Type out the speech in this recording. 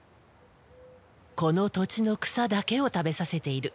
この土地の草だけを食べさせている。